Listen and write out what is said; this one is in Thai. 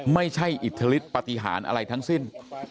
ไม่ใช่อิทธิฤทธปฏิหารอะไรทั้งสิ้น